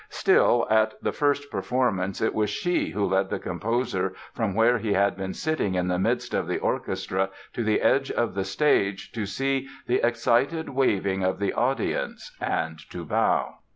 Still, at the first performance it was she who led the composer from where he had been sitting in the midst of the orchestra to the edge of the stage to see the excited waving of the audience and to bow.